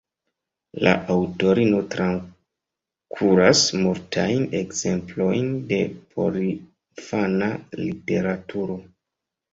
La aŭtorino trakuras multajn ekzemplojn de porinfana literaturo.